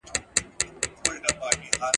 بس هر قدم مي د تڼاکو تصویرونه وینم ..